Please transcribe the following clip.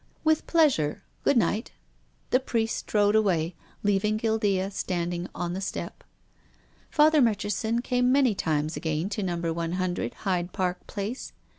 " With pleasure. Good night." The Priest strode away, leaving Guildea stand ing on the step. Father Murchison came many times again to number one hundred Hyde Park Place.